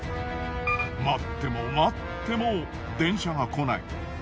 待っても待っても電車が来ない。